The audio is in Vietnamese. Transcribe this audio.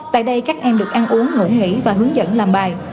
tại đây các em được ăn uống ngủ nghỉ và hướng dẫn làm bài